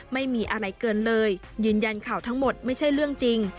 ไม่มีอะไรเกินเลยยืนยันข่าวทั้งหมดไม่ใช่เรื่องจริง